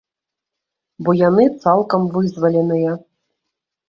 Бо яны цалкам вызваленыя.